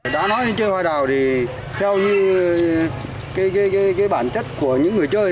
đã nói chơi hoa đào thì theo như cái bản chất của những người chơi